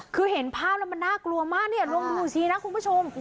คือเห็นภาพแล้วมันน่ากลัวมากเนี่ยลองดูสินะคุณผู้ชม